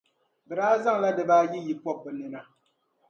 Bɛ daa zaŋla diba ayiyi pɔb’ bɛ nina.